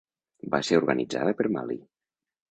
Va ser organitzada per Mali.